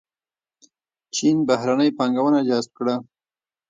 چین بهرنۍ پانګونه جذب کړه.